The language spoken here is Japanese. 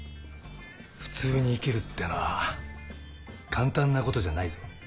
普通に生きるってのは簡単なことじゃないぞ。